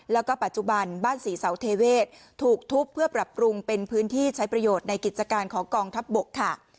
แล้วก็ปัจจุบันบ้านศรีเสาเทเวศถูกทุบเพื่อปรับปรุงเป็นพื้นที่ใช้ประโยชน์ในกิจการของกองทัพบกค่ะ